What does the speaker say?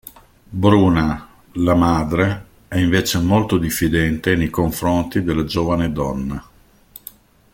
Bruna, la madre, è invece molto diffidente nei confronti della giovane donna.